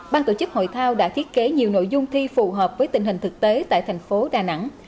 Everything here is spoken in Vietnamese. ban tổ chức hội thao đã thiết kế nhiều nội dung thi phù hợp với tình hình thực tế tại thành phố đà nẵng